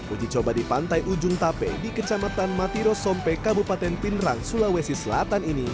uji coba di pantai ujung tape di kecamatan matirosompe kabupaten pindrang sulawesi selatan ini